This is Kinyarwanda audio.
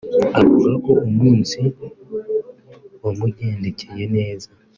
avuga ko umunsi wamugendekeye neza